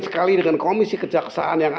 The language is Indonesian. sekali dengan komisi kejaksaan yang